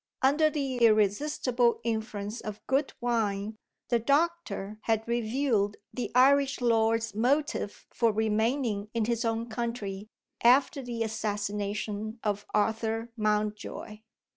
Under the irresistible influence of good wine, the doctor had revealed the Irish lord's motive for remaining in his own country, after the assassination of Arthur Mountjoy.